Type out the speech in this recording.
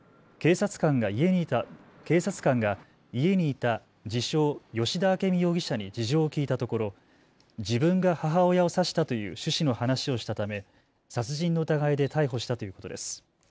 警察官が家にいた自称、吉田明美容疑者に事情を聞いたところ自分が母親を刺したという趣旨の話をしたため殺人の疑いで逮捕したということです。